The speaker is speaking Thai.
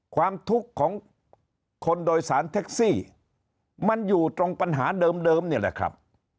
ความทุกข์ของคนโดยสารแท็กซี่มันอยู่ตรงปัญหาเดิมนี่แหละครับ